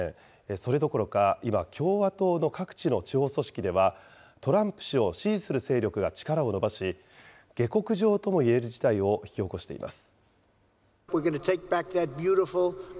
それどころか今、共和党の各地の地方組織では、トランプ氏を支持する勢力が力を伸ばし、下克上ともいえる事態を引き起こしています。